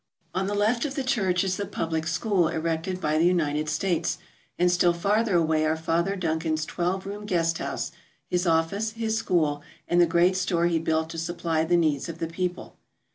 On the left of the church is the public school erected by the United States, and still farther away are Father Duncan's twelve room guest house, his 'office, his school, and the great store he built to supply the needs of the people.